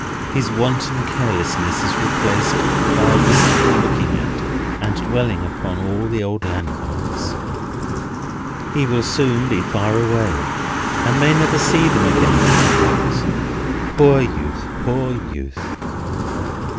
His wonted carelessness is replaced by a wistful looking at, and dwelling upon, all the old landmarks. He will soon be far away, and may never see them again, he thinks. Poor youth! Poor youth!